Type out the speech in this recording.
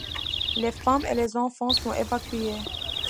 Les femmes et les enfants sont évacués.